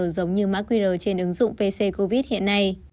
giống như mã qr trên ứng dụng pc covid hiện nay